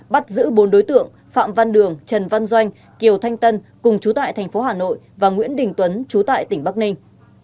bắt giữ bốn đối tượng phạm văn đường trần văn doanh kiều thanh tân cùng chú tại thành phố hà nội và nguyễn đình tuấn chú tại tỉnh bắc ninh